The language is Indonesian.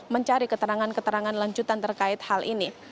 mencari keterangan keterangan lanjutan terkait hal ini